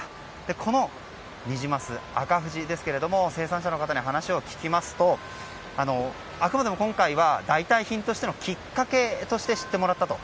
このニジマス、紅富士ですけども生産者の方に話を聞きますとあくまでも今回は代替品としてのきっかけとして知ってもらったと。